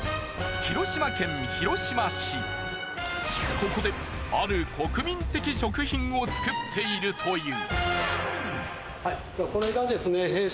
ここである国民的食品を作っているという。